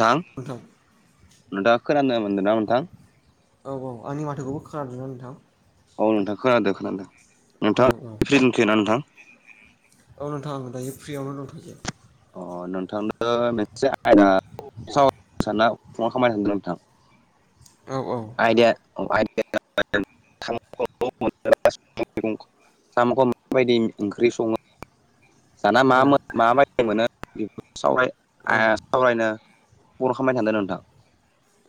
दां नोंथां नोंथाङा खोनानो मोनदों ना नोंथां। औ औ आंनि माथोखौबो खोनादोंना नोंथां औ नोंथां खोनादो खोनादों। औ नोंथाङा औ फ्रि दंथ'योना नोंथां औ नोंथां आङो दायो फ्रियावनो दंखायो। अ नोंथांनो मोनसे आयद स साना फङाव खामायनो सानदों नोंथां। औ औ। आयदाया आयदाया जाबाय [unintelligible] मैगं साम'खौ माबायदि ओंख्रि सङो जाना मा औ माबायदि मोनो बे सावराय औ सावरायनो बर' खालामबाय थांदों नोंथां।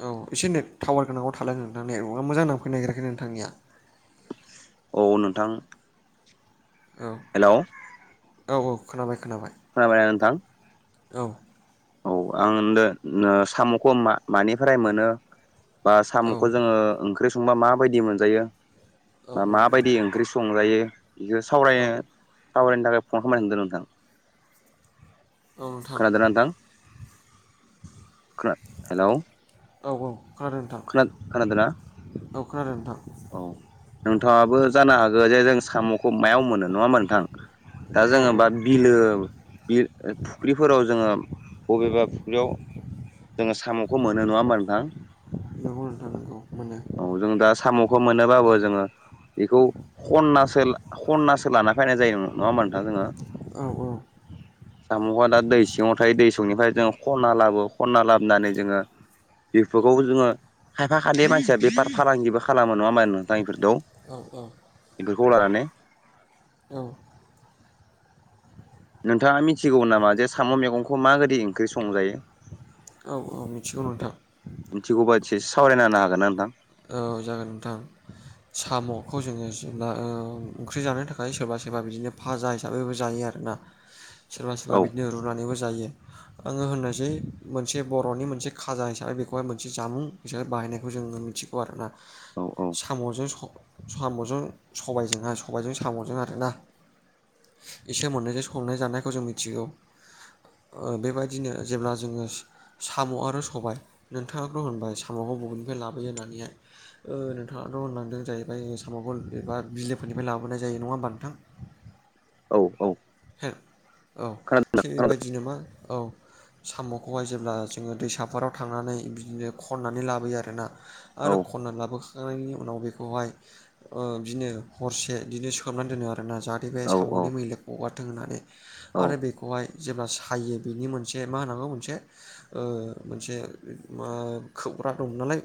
औ एसे नेट टावार गोनाङाव थालाय नोंथां नेटवर्कआ मोजां नांफैनो नागिरेराखै नोंथांनिया औ नोंथां। औ हेल'। औ औ खोनाबाय खोनाबाय खोनाबायना नोंथां? औ। औ आं दा ओ साम'खौ मा मानिफ्राय मोनो बा औ साम'खौ जोङो ओंख्रि संबा माबायदि मोनजायो बा औ औ माबायदि ओंख्रि संजायो बेखौ औ सावरायनो सावरायनो थाखाय फन खालामनो होनदों नोंथां। औ नोंथां खोनादोंना नोंथां? खोना हेल'। औ खोनादों नोंथां। खोना खानादोंना? औ खोनादों नोथां। औ नोंथाङाबो जानो हागौ जे जों साम'खौ मायाव मोनो नंङा होमबा नोंथां? दा औ जोङो औ बा बिलो बि फुख्रिफोराव जोङो बबेबा फुख्रियाव जोङो साम'खौ मोनो नङा होमबा नोंथां? नंगौ नोंथां नंगौ मोनो औ जों दा साम'खौ मोनोबाबो जोङो बेखौ खननासो खननासो लाना फैनाय जायो नङा होमबा नोंथां जोङो। औ औ [inaudible] साम'आ दा दै सिङाव थायो दैसंनिफ्राय जोङो खनना लाबो खनना लाबोनानै जोङो बेफोरखौबो जोङो खायफा खायनै मानसिया बेफार फालांगिबो खालामो नंङा होमबा नोंथां इफोरदौ औ इफोरखौ लानानै। औ नोंथाङा मिथिगौ नामा जे साम' मैगंखौ मा गोदि ओंख्रि संजायो? औ औ मिथिगौ नोंथां। मिथिगौबा एसे सावरायना होनो हागोन ना नोंथां? औ जागोन नोंथां। साम'खौ जोङो जेब्ला ओ ओंख्रि जानो थाखाय सोरबा सोरबा बिदिनो फाजा हिसाबैबो जायो आरोना। [inaudible] सोरबा औ सोरबा बिदिनो रुनानैबो जायो। आंङो होननोसै मोनसे बर'नि मोनसे खाजा हिसाबै बेखौहाय मोनसे जामुं बिसोरो बाहायनायखौ जोङो मिथिगौ आरोना। औ औ साम'जों स' साम'जों सबायजोंहा सबायजों साम'जों आरोना। इसोर मोननैजों संनाय जानायखौ जों मिथिगौ। ओ बेबायदिनो जेब्ला जोङो साम' आरो सबाय नोंथाङाथ' होनबाय साम'खौ बबेनिफ्राय लाबोयो होननानैहाय ओ नोंथाङाथ' होनलांदों जाहैबाय साम'गल एबा बिलोफोरनिफ्राय लाबोनाय जायो नङा होमबा नोंथां? औ औ। [unintelligible] औ खोनादों थि खोनादों बेबायदिनो मा औ साम'खौहाय जेब्ला जोङो दैसाफोराव थांनानै बिदिनो खननानै लाबोयो आरोना। औ आरो खननानै लाबोखांनायनि उनाव बेखौहाय ओ बिदिनो हरसे बिदिनो सोमनानै दोनो आरोना जा बे औ औ साम'नि मैलाखौ गगारथों होननानै औ आरो बे खौहाय जेब्ला सायो बेनि मोनसे मा होननांगौ मोनसे ओ मोनसे मा खोबग्रा दं नालाय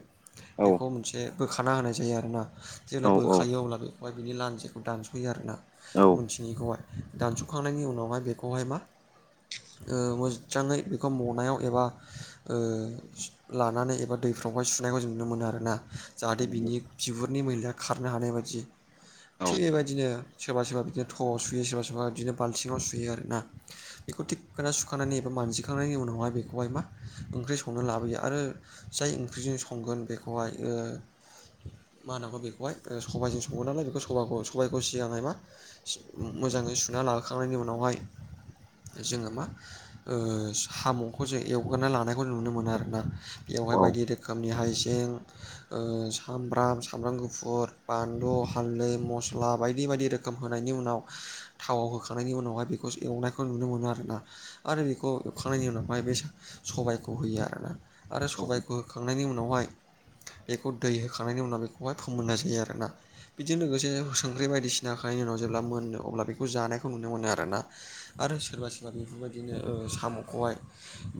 औ औ बेखौ मोनसे बोखाना होनाय जायो आरोना औ जेब्ला औ बोखायो अब्लाबो ओमफ्राय बिनि लान्जिखौ दानस'यो आरोना। औ [unintelligible] दानस'खांनायनि उनावहाय बेखौहाय मा ओ मोजाङै बेखौ मनायाव एबा ओ लानानै एबा दैफ्रावहाय सुनायखौ जों नुनो मोनो आरोना। जाहाथे बिनि बिगुरनि मैलाया खारनो हानाय बायदि थिग औ बेबायदिनो सोरबा सोरबा बिदिनो थ'आव सुयो सोरबा सोरबा बिदिनो बाल्थिंङाव सुयो आरो ना। बेखौ थिखोना सुखांनायनि एबा मानजिखांनायनि उनावहाय बेखौहाय मा ओंख्रि संनो लाबोयो आरो जाय ओंख्रिजों संगोन बेखौहाय ओ मा होनांगौ बेखौहाय सबायजों सङो नालाय बेखौखौ सबायखौ सिगांहाय मा मोजाङै सुना लाखांनायनि उनावहाय जोङो मा ओ साम'खौ जों एवगारना लानायखौ जों नुनो मोनो आरोना। बेयावहाय नंगौ बायदि रोखोमनि हाइजें ओ सामब्राम सामब्राम गुफुर बानलु हालदै मस्ला बायदि बायदि रोखोम होनायनि उनाव थावाव होखांनायनि उनावहाय बेखौ एवनायखौ नुनो मोनो आरोना। आरो बेखौ एवखांनायनि उनावहाय बे सबायखौ होयो आरोना आरो सबायखौ होखांनायनि उनावहाय बेखौ दै होखांनायनि उनाव बेखौहाय फोमोन्नाय जायो आरोना बिदि लोगोसे संख्रि बायदिसिनाखांनायनि उनाव जेब्ला मोनो अब्ला बेखौ जानायखौ नुनो मोनो आरोना आरो सोरबा सोरबा बेफोरबायदिनो ओ साम'खौहाय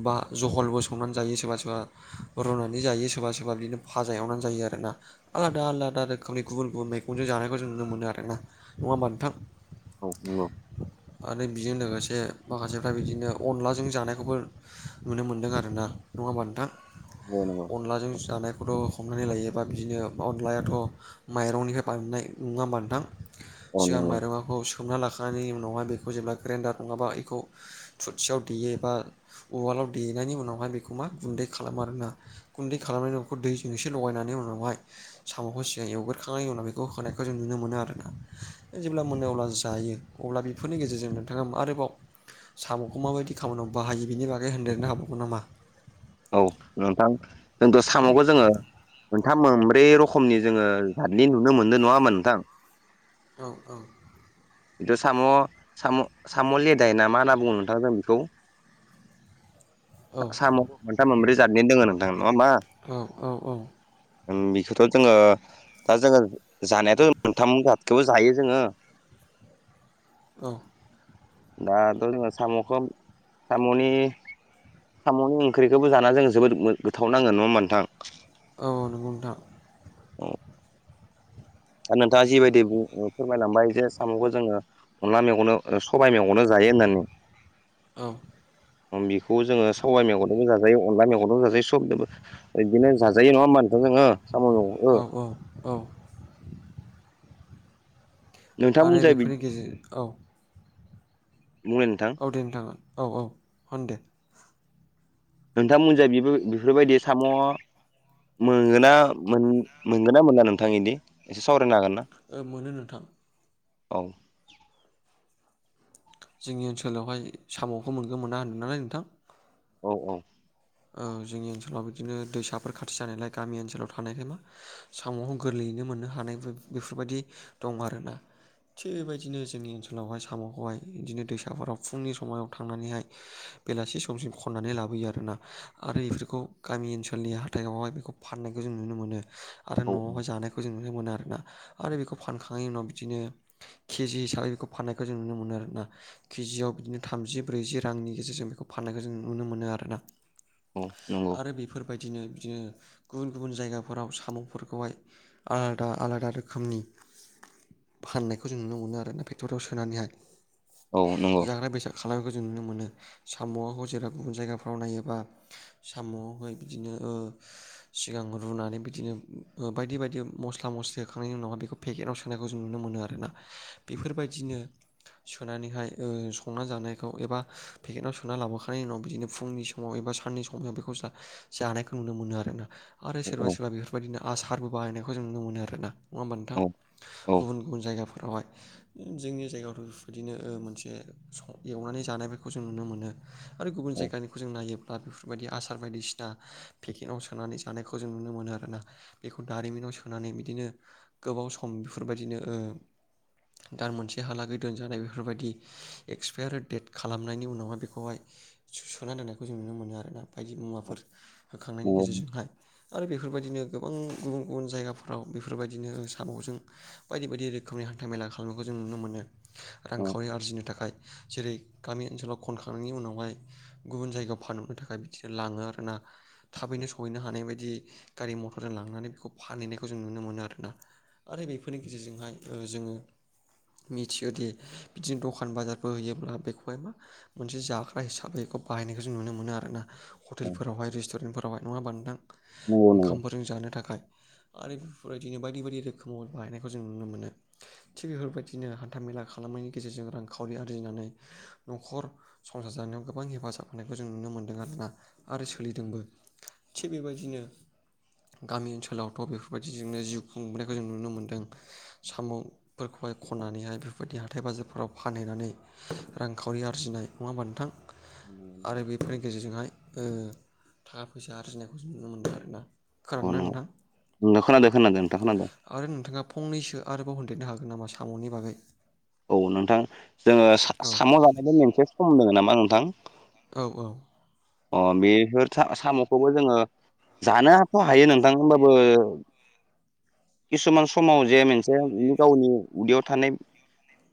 बा जहलबो संनानै जायो सोरबा सोरबा रुनानै जायो सोरबा सोरबा बिदिनो फाजा एवनानै जायो आरो ना आलादा आलादा रोखोमनि गुबुन गुबुन मैगंजों जानायखौ जों नुनो मोनो आरो ना नङा होमबा नोंथां? औ नोंगौ आरो बिजों लोगोसे माखासेफ्रा बिदिनो अनलाजों जानायखौबो नुनो मोन्दों आरोना नङा होमबा नोंथां? औ नोंगौ अनलाजों जानायखौथ' हमनानै लायोबा बिदिनो अनलायाथ' माइरंनिफ्राय बानायनाय नङा नोंथां औ सिगां नंगौ माइरङा खौ सोमना लाखांनायनि उनावहाय बेखौ जेब्ला ग्रेन्डार नङाबा इखौ थुरसियाव देयो एबा उवालाव देनायनि उनावहाय बेखौ मा गुन्दै खालामो आरोना गुन्दै खालामनायनि उखौ दैजों एसे लगायनानै उनावहाय साम'खौ सिगां एवगोरखांनायनि उनाव बेखौ होनाय जों नुनो मोनो आरोना जेब्ला मोनो अब्ला जायो अब्ला बेफोरनि गेजेरजों नोंथाङा आरोबाव साम'खौ माबायदि खामानियाव बाहायो बिनि बागै होनदेरनो हाबावगोन नामा? औ नोंथां जोंथ' औ साम'खौ जोङो मोनथाम मोनब्रै रखमनि जोङो जादनि नुनो मोनदों नङा होनबा नोंथां? औ औ खिन्थु साम' साम' लेदाय ना मा होनना बुङो नोंथां जों बेखौ औ साम' मोनथाम मोनब्रै जादनिनो दोङो नोंथां नङा होमबा? औ औ औ बेखौथ' जोङो दा जोङो जानायाथ' मोनथाम थेवबो जायो जोङो औ दाथ' जोङो साम'खौ साम'नि साम'नि ओंख्रिखौबो जाना जोंङो जोबोद गोथाव नांङो नङा होमबा नोंथां? औ नंगौ नोंथां। आरो नोंथाङा जिबायदि [unintelligible] फोरमायलांबाय जे साम'खो जोङो अनला मैगंदो सबाय मेगंदो जायो होननानै। औ बेखौ जोङो सबाइ मेगंदोबो जाजायो अनला मेगंदोबो जाजायो सबदोबो। बिदिनो जाजायो नङा होनोमबा नोंथां जोङो साम' मेगंखौ औ औ औ आरो नोंथांमोनजाय बेफोरनि बिदि गेजेर औ बुंनाय नोंथां औ दे नोथां औ औ होन दे नोंथांमोनजों बेबो बेफोरबायदि साम' मोनगोना मोनगोन ना मोना नोंथांनिदि एसे सावरायनो हागोन ना मोनो नोंथां औ जोंनि ओनसोलावहाय साम'खौ मोनगौ मोना होन्दों नालाय नोंथां औ औ ओ जोंनि ओनसोलाव बिदिनो दैसाफोर खाथि जानायलाय गामि ओनसोलाव थानायखाय मा साम'खौ गोरलैयैनो मोननो हानायबो बेफोरबायदि दं आरोना थिग इबायदिनो जोंनि ओनसोलावहाय सामखौहाय बिदिनो दैसाफोराव फुंनि समायाव थांनानैहाय बेलासि समसिम खननानै लाबोयो आरोना आरो इफोरखौ गामि ओनसोलनि हाथायावहाय बेखौ फाननायखौ जों नुनो मोनो आरो औ नआवहाय जानायखौ जों नुनो मोनो आरोना आरो बेखौ फानखांनायनि उनाव बिदिनो केजि हिसाबै बेखौ फाननायखौ जों नुनो मोनो आरोना केजियाव बिदिनो थामजि ब्रैजि रांनि गेजेरजों बेखौ फाननायखौ जों नुनो मोनो आरोना औ नंगौ आरो बेफोरबायदिनो बिदिनो गुबुन गुबुन जायगाफोराव सामफोरखौहाय आलादा आलादा रोखोमनि फाननायखौ जों नुनो मोनो आरोना फेक्टरियाव सोनानैहाय औ नंगौ जाग्रा बेसाद खालामनायखौ जों नुनो मोनो सामआखौ जेराव गुबुन जायगाफ्राव नायोबा सामआव हाय बिदिनो ओ सिगां रुनानै बिदिनो ओ बायदि बायदि मस्ला मस्लि होखांनायनि उनावहा बेखौ पेकेटआव सोनायखौ जों नुनो मोनो आरोना बेफोरबायदिनो सोनानैहाय ओ संना जानायखौ एबा पेकेटाव सोना लाबोखांनायनि उनाव बिदिनो फुंनि समाव एबा सान साननि समाव बेखौ जा-जानायखौ नुनो मोनो आरोना आरो औ औ सोरबा सोरबा बेफोर बेबायदिनो आसारबो बाहायनायखौ जों नुनो मोनो आरोना नङा होमबा औ नोंथां अ गुबुन गुबुन जायगाफोरावहाय जोंनि जायगायावथ बेबायदिनो ओ मोनसे सं एवनानै जानाय बेखौ जों नुनो मोनो आरो गुबुन जायगानिखौ जों नायोब्ला दा बेफोरबायदि आसार बायदिसिना पेकिंआव सोनानै जानायखौ जों नुनो मोनो आरोना बेखौ दारिमिनाव सोनानै बिदिनो गोबाव सम बेफोरबायदिनो ओ दान मोनसे हालागै दोनजानाय बेफोरबायदि एक्सपायार डेट खालामनायनि उनावहाय बेखौहाय सो-सोना दोननायखौ जों नुनो मोनो आरो ना बायदि मुवाफोर होखांनायनि गेजेरजोंहाय आरो बेफोरबायदिनो गोबां गुबुन गुबुन जायगाफोराव बेफोरबायदिनो सामजों बायदि बायदि रोखोमनि हान्था मेला खालामनायखौ जों नुनो मोनो रांखावरि आरजिनो थाखाय जेरै गामि ओनसोलाव खनखांनायनि उनावहाय गुबुन जायगायाव फानहरनो थाखाय बिदिनो लाङो आरोना थाबैनो सहैनो हानाय बायदि गारि मथरजों लांनानै बेखौ फानहैनायखौ जों नुनो मोनो आरोना आरो बेफोरनि गेजेरजोंहाय ओ जोङो मिथियोदि बिदिनो दखान बाजारफोर होयोब्ला बेखौहाय मा मोनसे जाग्रा हिसाबै इखौ बाहायनाय जों नुनो मोनो आरोना हटेलफोरावहाय रेस्टेफोरावहाय नङा होमबा नोंथां नंगौ नंगौ ओखामबो जों जानो थाखाय आरो बेफोरबायदिनो बायदि बायदि रोखोमाव बाहायनायखौ जों नुनो मोनो थिग बेफोरबायदिनो हान्थामेला खालामनायनि गेजेरजों रांखावरि आरजिनानै नखर संसार जानायाव गोबां हेफाजाब नायखौ जों नुनो मोन्दों आरोना आरो सोलिदोंबो थिग बेबायदिनो गामि ओनसोलावथ बेफोरबायदिजोंनो जिउ खुंबोनायखौ जों नुनो मोन्दों सामफोरखौहाय खननानैहाय बेफोरबायदि हाथाय बाजारफोराव फानहैनानै रांखावरि आरजिनाय नङा होनबा नोंथां? [unintelligible] उम आरो बेफोरनि गेजेरजोंहाय ओ थाखा फैसा आरजिनायखौ जों नुनो मोनदों आरोना? अ खोनादोंना नंगौ नोंथां नोंगो खोनादो खोनादो नोंथां खोनादो। आरो नोंथाङा फंनैसो आरोबाव होनदेरनो हागोन नामा सामुनि बागै। औ नोंथां जोङो औ सा-सामु जानायबो मोनसे सम दोङो नामा नोंथां? औ औ अ बेफोर था साम'खौबो जोङो जानोफ हायो नों थां होमबाबो किसुमान समाव जे मोनसे गावनि उदैयाव थानाय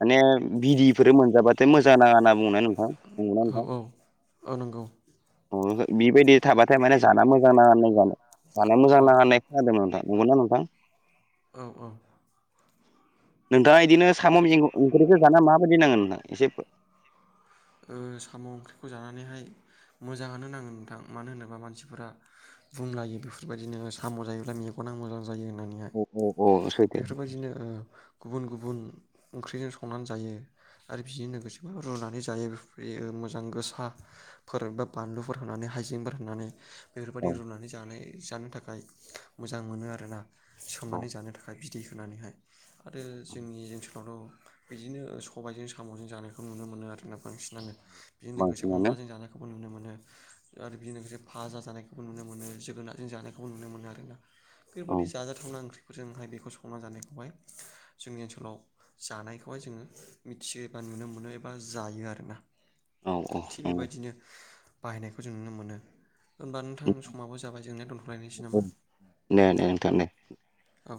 माने बिदिफोर मोनजाबाथाय मोजां नाङा होनना बुङोना नोंथां नंगौना औ नोंथां? औ औ नोंगौ। बिबायदि थाबाथाय माने जाना मोजां नाङा होननाय जानो जानाया मोजां औ नाङानाय खोनादों नोंथां नंगौना नोंथां? औ औ नोंथाङा बिदिनो साम' ओंख्रिखौ जाना माबायदि नांगो नोंथां एसे साम' ओंख्रिखौ जानानैहाय मोजां होनो नाङो नोंथां मानो होनोबा मानसिफोरा बुंलायो बेफोरबायदिनो साम' जायोब्ला मेगना मोजां जायो होननानै औ औ औ सैथो बेफोरबायदिनो गुबुन गुबुन ओंख्रिजों संनानै जायो आरो बिजों लोगोसेबो रुनानै जयो मोजां गोसाफोर बा बानलुफोर होनानै हाइजेंफोर होनानै बेफोरबायदि औ रुनानै जानाय जानो थाखाय मोजां मोनो आरोना औ सोमनानै जानो थाखाय दै होनानैहाय आरो जोंनि ओनसोलावथ' बिदिनो सबायजों साम'जों जानायखौ नुनो मोनो आरो बांसिनानो बेजों लोगोसे बांसिनानो अनलाजों जानायखौबो नुनो मोनो। आरो बिजों लोगोसे फाजा जानायखौबो नुनो मोनो जोगोनारजों जानायखौबो नुनो मोनो आरोना? औ बेफोरबायदि जाजाथावना ओंख्रिफोरजोंहाय बेखौ संना जानायखौहाय जोंनि ओनसोलाव जानायखौहाय जोङो मिथियोबा नुनो मोनो एबा जायो आरोोना औ औ थिग बेबायदिनो बाहायनायखौ जों नुनो मोनो। होनबा नोंथांनि समाबो जाबाय जोंनाय दोनथ'लायनोसै नामा? नंगौ दे दे नोंथां दे औ